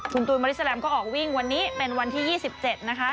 คุณตูนบริสแลมก็ออกวิ่งวันนี้เป็นวันที่๒๗นะคะ